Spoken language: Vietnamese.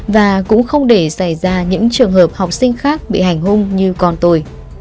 và cũng không để xảy ra những trường hợp học sinh khác bị hành hung như con tôi